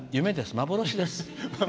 幻です。